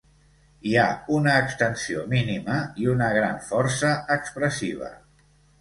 Hi ha una extensió mínima i una gran força expressiva.